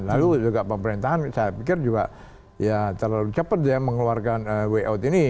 lalu juga pemerintahan saya pikir juga ya terlalu cepat dia mengeluarkan way out ini